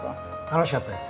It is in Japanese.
楽しかったです。